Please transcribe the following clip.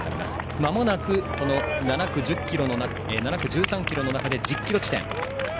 まもなく７区、１３ｋｍの中で１０ｋｍ地点。